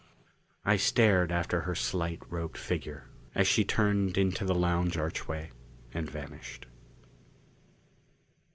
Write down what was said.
I stared after her slight robed figure as she turned into the lounge archway and vanished.